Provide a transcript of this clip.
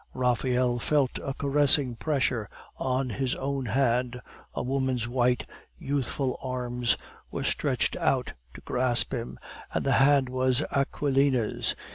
Raphael felt a caressing pressure on is own hand, a woman's white, youthful arms were stretched out to grasp him, and the hand was Aquilina's.